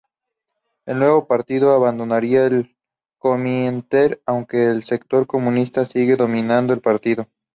El nuevo partido abandonaría el Komintern, aunque el sector comunista sigue dominando el partido.